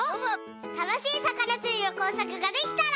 たのしいさかなつりのこうさくができたら。